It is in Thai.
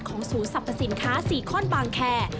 ของศูนย์สรรพสินค้าสี่ข้อนบานแคลร์